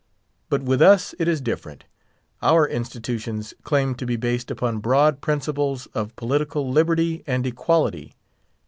But with us it is different. Our institutions claim to be based upon broad principles of political liberty and equality.